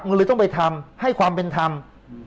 มันเลยต้องไปทำให้ความเป็นธรรม